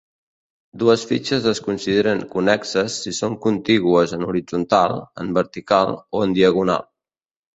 Dues fitxes es consideren connexes si són contigües en horitzontal, en vertical o en diagonal.